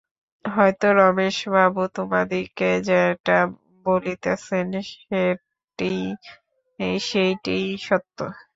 হয়তো রমেশবাবু তোমাদিগকে যেটা বলিতেছেন সেইটেই সত্য।